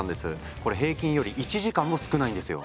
これ平均より１時間も少ないんですよ。